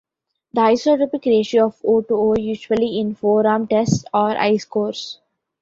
The isotopic ratio of O to O, usually in foram tests or ice cores.